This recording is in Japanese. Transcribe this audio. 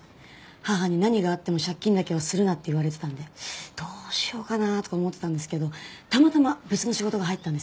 母に「何があっても借金だけはするな」って言われてたのでどうしようかなあとか思ってたんですけどたまたま別の仕事が入ったんです。